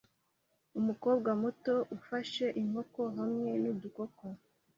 Umukobwa muto ufashe inkoko hamwe nudukoko